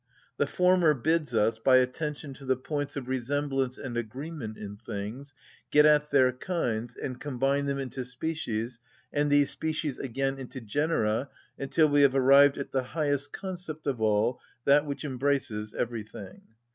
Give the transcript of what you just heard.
The former bids us, by attention to the points of resemblance and agreement in things, get at their kinds, and combine them into species, and these species again into genera, until we have arrived at the highest concept of all, that which embraces everything.